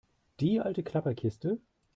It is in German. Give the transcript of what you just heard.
Die alte Klapperkiste?